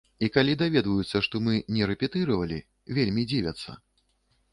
І калі даведваюцца, што мы не рэпетыравалі, вельмі дзівяцца.